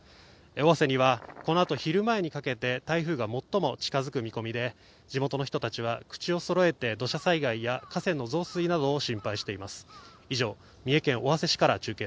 尾鷲にはこのあと昼前にかけて台風が最も近づく見込みで地元の人たちは口をそろえて、土砂災害や河川の増水などを心配しています。